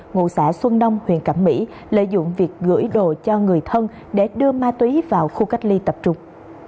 ngụ xã xuân đông huyện cẩm mỹ lợi dụng việc gửi đồ cho người thân để đưa ma túy vào khu cách ly tập trung